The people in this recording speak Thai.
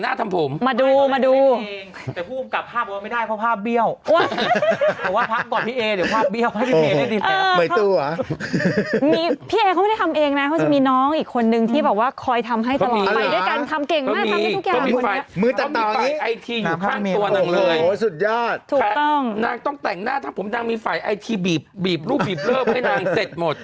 นางต้องแต่งหน้าถ้าผมดังมีไฟไอทีบีบบีบรูปบีบเลิฟให้นางเสร็จหมด